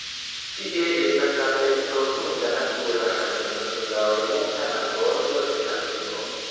Tie estas la plej profunda natura haveno sur la orienta marbordo de Afriko.